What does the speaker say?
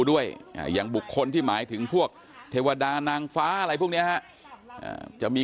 ด้วยอย่างบุคคลที่หมายถึงพวกเทวดานางฟ้าอะไรพวกนี้ฮะจะมี